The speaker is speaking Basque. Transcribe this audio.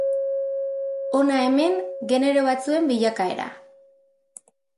Hona hemen genero batzuen bilakaera.